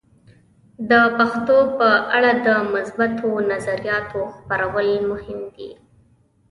د پښتو په اړه د مثبتو نظریاتو خپرول مهم دي.